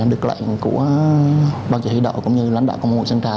được lệnh của ban chỉ huy đậu cũng như lãnh đạo công an sân sơn trà